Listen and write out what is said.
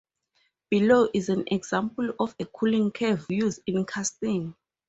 Below is an example of a cooling curve used in castings.